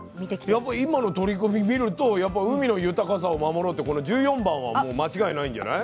やっぱ今の取り組み見ると「海の豊かさを守ろう」ってこの１４番はもう間違いないんじゃない？